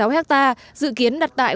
một mươi sáu sáu hectare dự kiến đặt tại